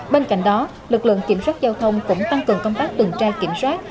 bên cạnh đó lực lượng kiểm soát giao thông cũng tăng cường công tác tuần tra kiểm soát